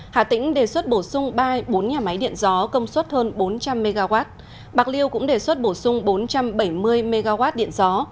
hà tĩnh đề xuất bổ sung ba bốn nhà máy điện gió công suất hơn bốn trăm linh mw bạc liêu cũng đề xuất bổ sung bốn trăm bảy mươi mw điện gió